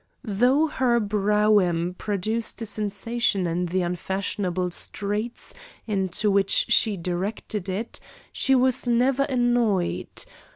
Though her brougham produced a sensation in the unfashionable streets into which she directed it, she was never annoyed.